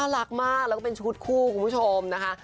รักมากแล้วก็เป็นชุดคู่คุณผู้ชมนะคะ